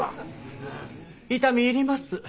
痛み入ります。